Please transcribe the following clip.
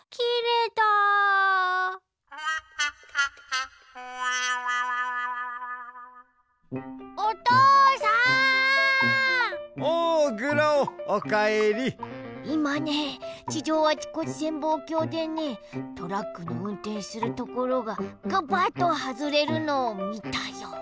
いまね地上あちこち潜望鏡でねトラックのうんてんするところがガバッとはずれるのをみたよ。